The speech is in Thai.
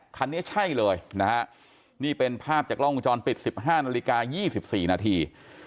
คันนี้ใช่เลยนะฮะนี่เป็นภาพจากกล้องวงจรปิด๑๕นาฬิกา๒๔นาที